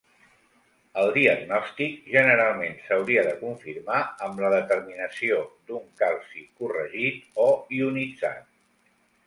El diagnòstic generalment s'hauria de confirmar amb la determinació d'un calci corregit o ionitzat.